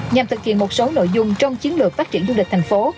nhằm thực hiện một số nội dung trong chiến lược phát triển du lịch thành phố